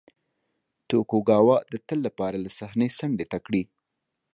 توکوګاوا د تل لپاره له صحنې څنډې ته کړي.